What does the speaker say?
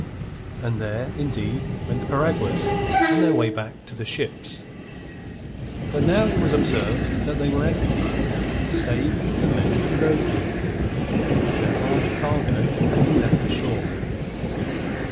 And there, indeed, went the piraguas on their way back to the ships. But now it was observed that they were empty, save for the men who rowed them. Their armed cargo had been left ashore.